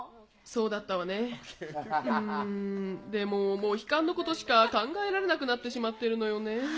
うーん、でも、モヒカンのことしか考えられなくなってしまっているのよね。